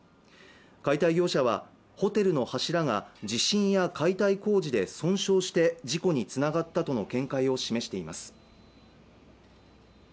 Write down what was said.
解体業者はホテルの柱が地震や解体工事で損傷して事故につながったとの見解を示しています